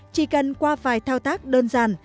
chỉ cần qua vài thao tác đơn giản